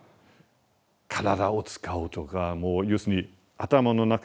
体を使うとかもう要するに頭の中がうつ